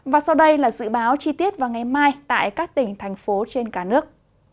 và sau đây là dự báo chi tiết vào ngày mai tại các tỉnh thành phố trên cả nước